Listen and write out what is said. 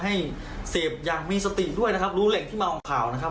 ให้เสพอย่างมีสติด้วยนะครับรู้เหล็กที่เมาข่าวนะครับ